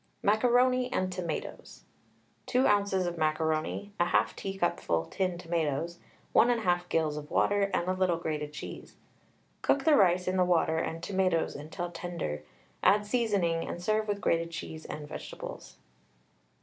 MACARONI AND TOMATOES. 2 oz, of macaroni, 1/2 teacupful tinned tomatoes, 1 1/2 gills of water, a little grated cheese. Cook the rice in the water and tomatoes until tender, add seasoning, and serve with grated cheese and vegetables.